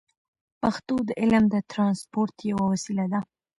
پښتو د علم د ترانسپورت یوه وسیله ده.